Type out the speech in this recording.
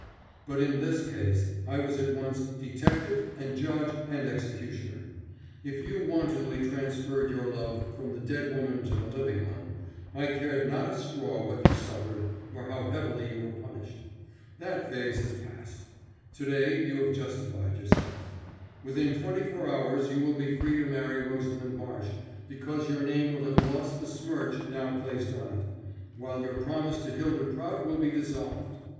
But in this case, I was at once detective, and judge, and executioner. If you wantonly transferred your love from the dead woman to the living one, I cared not a straw what you suffered or how heavily you were punished. That phase has passed. To day you have justified yourself. Within twenty four hours you will be free to marry Rosalind Marsh, because your name will have lost the smirch now placed on it, while your promise to Hylda Prout will be dissolved.